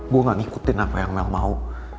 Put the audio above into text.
gue gak ngikutin apa yang mel mau